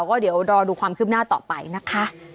ก็เดี๋ยวรอดูความคืบหน้าต่อไปนะคะ